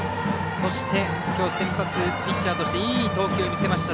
そして、きょう先発ピッチャーとしていい投球を見せました